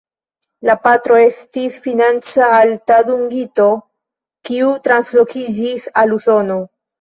La patro estis financa alta dungito kiu translokiĝis al Usono.